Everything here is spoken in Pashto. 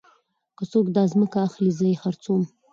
که څوک داځمکه اخلي زه يې خرڅوم.